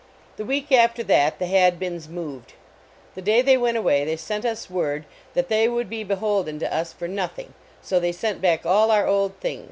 The week after that, the Hadbins moved. The day they went away they sent us word that they would be beholden to us for noth ing, so they sent back all our old thing